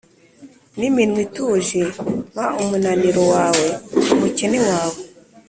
niminwa ituje. “mpa umunaniro wawe, umukene wawe,